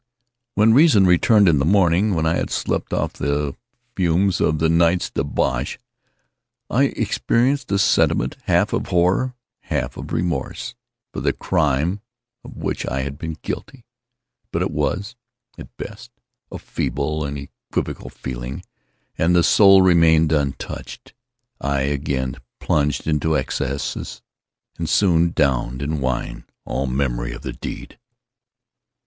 When reason returned with the morning—when I had slept off the fumes of the night's debauch—I experienced a sentiment half of horror, half of remorse, for the crime of which I had been guilty; but it was, at best, a feeble and equivocal feeling, and the soul remained untouched. I again plunged into excess, and soon drowned in wine all memory of the deed.